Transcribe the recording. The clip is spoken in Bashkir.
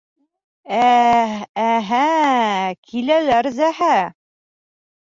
— Ә-әһә, киләләр ҙәһә.